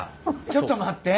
ちょっと待って。